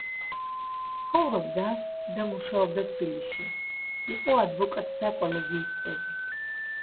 ცხოვრობდა და მუშაობდა თბილისში, იყო ადვოკატთა კოლეგიის წევრი.